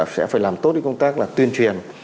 sẽ phải làm tốt cái công tác là tuyên truyền